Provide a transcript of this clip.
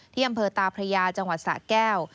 ที่อำเภอตาพระยาจังหวัดสะแก้ว